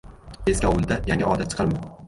• Eski ovulda yangi odat chiqarma.